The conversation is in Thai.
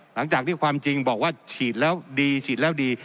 หลังจากที่ความจริงบอกว่าฉีดแล้วดีฉีดแล้วดี